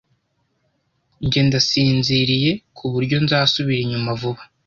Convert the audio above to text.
Njye ndasinziriye kuburyo nzasubira inyuma vuba.